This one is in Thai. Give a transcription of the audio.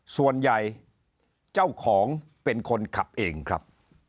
ส่วนใหญ่เจ้าของเป็นคนขับเองครับ